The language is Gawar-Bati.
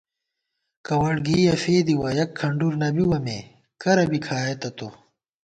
کوَڑگېئیَہ فېدِوَہ ، یَک کھنڈُر نہ بِوَہ مے کرہ بی کھائېتہ تو